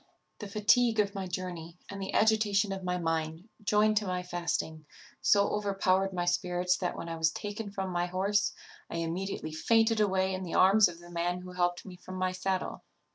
The fatigue of my journey, and the agitation of my mind, joined to my fasting, so overpowered my spirits, that when I was taken from my horse I immediately fainted away in the arms of the man who helped me from my saddle.